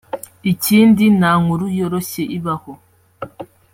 Ikindi kandi nta nkuru yoroshye ibaho